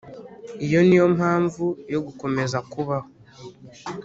iyo niyo mpamvu yo gukomeza kubaho.